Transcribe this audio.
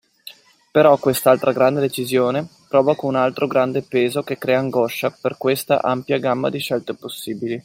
Però quest'altra grande decisione provoca un altro grande peso che crea angoscia per questa ampia gamma di scelte possibili.